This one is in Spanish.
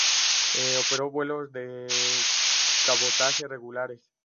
Operó vuelos de cabotaje regulares.